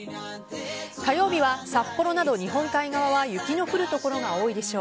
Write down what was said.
火曜日は札幌など日本海側は雪の降る所が多いでしょう。